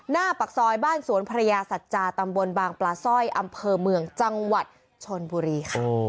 หน้าปากซอยบ้านสวนภรรยาสัจจาตำบลบางปลาสร้อยอำเภอเมืองจังหวัดชนบุรีค่ะ